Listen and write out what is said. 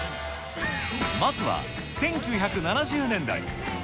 まずは１９７０年代。